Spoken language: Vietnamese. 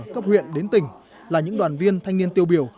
cấp huyện đến tỉnh là những đoàn viên thanh niên tiêu biểu